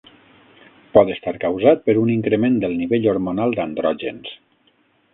Pot estar causat per un increment del nivell hormonal d'andrògens.